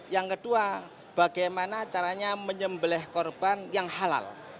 yang kedua bagaimana caranya menyembelih korban yang halal